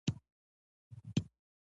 تر مينځ يې يو سپور تېر شو.